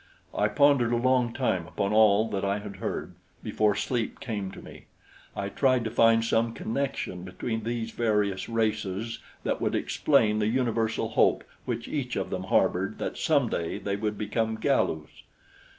I pondered a long time upon all that I had heard, before sleep came to me. I tried to find some connection between these various races that would explain the universal hope which each of them harbored that some day they would become Galus.